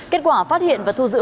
kết quả phát hiện và thu giữ